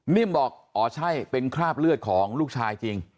นิ่มบอกอ๋อใช่เป็นคราบเลือดของลูกชายจริง